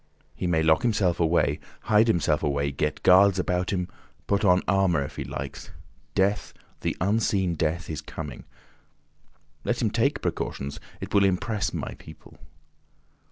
He may lock himself away, hide himself away, get guards about him, put on armour if he likes—Death, the unseen Death, is coming. Let him take precautions; it will impress my people.